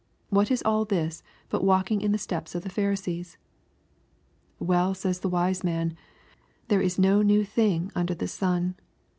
What is all this but walking in the steps of the Pharisees ? Well says the wise man, " There is no new thing under the Bun."